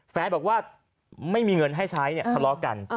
แฟนบอกว่าไม่มีเงินให้ใช้เนี่ยทะเลาะกัน